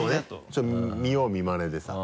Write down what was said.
ちょっと見よう見まねでさ。